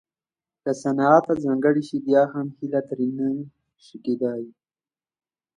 که صنعت ته ځانګړې شي بیا هم هیله ترې نه شي کېدای